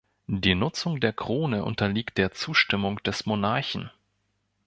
Die Nutzung der Krone unterliegt der Zustimmung des Monarchen.